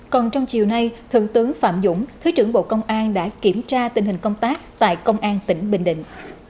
còn trong chiều nay thượng tướng phạm dũng thứ trưởng bộ công an đã kiểm tra tình hình công tác tại công an tỉnh bình định